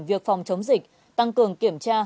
việc phòng chống dịch tăng cường kiểm tra